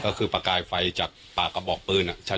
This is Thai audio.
ก็คือประกายไฟจากปากกระบอกปืนอ่ะชัดเลย